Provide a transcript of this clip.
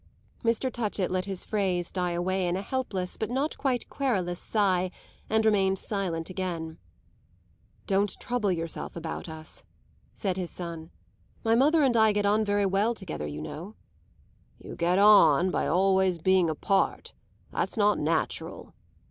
Mr. Touchett let his phrase die away in a helpless but not quite querulous sigh and remained silent again. "Don't trouble yourself about us," said his son, "My mother and I get on very well together, you know." "You get on by always being apart; that's not natural."